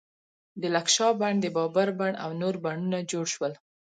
د لکشا بڼ، د بابر بڼ او نور بڼونه جوړ شول.